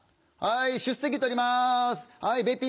はい出席取ります。